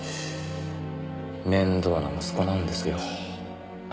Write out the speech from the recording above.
面倒な息子なんですよ。